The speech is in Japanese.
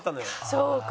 そうか。